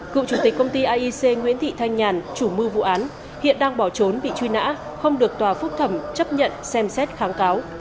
cựu chủ tịch công ty aic nguyễn thị thanh nhàn chủ mưu vụ án hiện đang bỏ trốn bị truy nã không được tòa phúc thẩm chấp nhận xem xét kháng cáo